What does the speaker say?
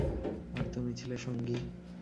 আর তুমি ছিলে সঙ্গী।